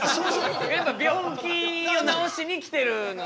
病気を治しに来てるので。